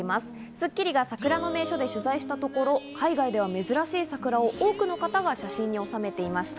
『スッキリ』が桜の名所で取材したところ、海外では珍しい桜、多くの方が写真に収めていました。